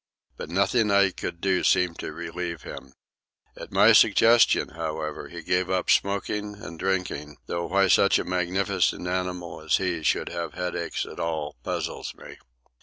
But nothing I could do seemed to relieve him. At my suggestion, however, he gave up smoking and drinking; though why such a magnificent animal as he should have headaches at all puzzles me.